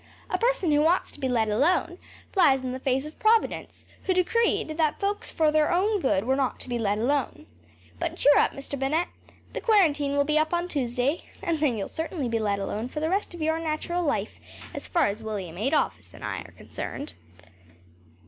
“A person who wants to be let alone flies in the face of Providence, who decreed that folks for their own good were not to be let alone. But cheer up, Mr. Bennett. The quarantine will be up on Tuesday and then you’ll certainly be let alone for the rest of your natural life, as far as William Adolphus and I are concerned.